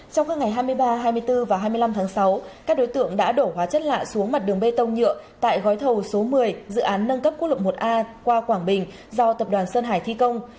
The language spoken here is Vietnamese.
trong các ngày hai mươi ba hai mươi bốn và hai mươi năm tháng sáu các đối tượng đã đổ hóa chất lạ xuống mặt đường bê tông nhựa tại gói thầu số một mươi dự án nâng cấp quốc lộ một a qua quảng bình do tập đoàn sơn hải thi công